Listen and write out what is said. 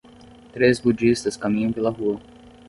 três budistas caminham pela rua.